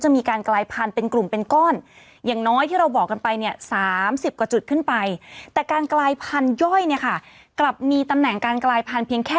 มันเปลี่ยนไปเลยอ่ะ